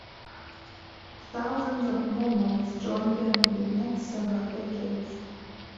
Thousands of Mormons joined them in the next several decades.